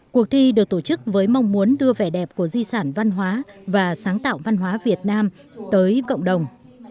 cuộc thi được tổ chức với mong muốn đưa vẻ đẹp của di sản văn hóa và sáng tạo văn hóa việt nam tới cộng đồng